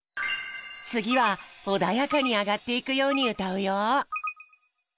次は穏やかに上がっていくように歌うよ。